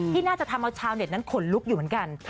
ที่น่าจะทำเอาชาวเน็ตนั้นขนลุกอยู่เหมือนกัน